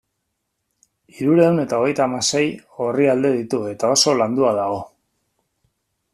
Hirurehun eta hirurogeita hamasei orrialde ditu eta oso landua dago.